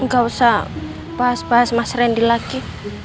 gak usah bahas bahas mas randy lagi